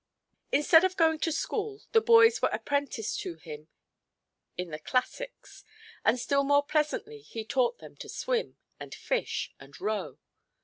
Instead of going to school, the boys were apprenticed to him in the classics; and still more pleasantly he taught them to swim, and fish, and row.